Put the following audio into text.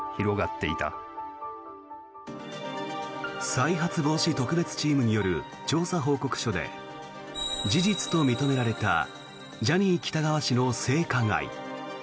再発防止特別チームによる調査報告書で事実と認められたジャニー喜多川氏の性加害。